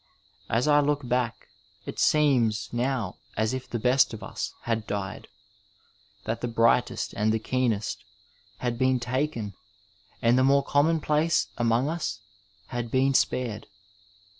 As I look back it seems now as if the best of ns had died, that the brightest and the keenest had been taken and the more conunonplace among ns had been spared.